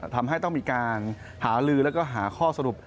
ทำให้ต้องมีการหาลือแล้วก็หาข้อสรุป